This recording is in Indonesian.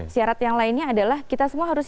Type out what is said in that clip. syarat yang lainnya adalah kita semua harus